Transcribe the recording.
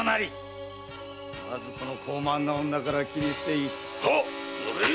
まずこの高慢な女から斬り捨てい。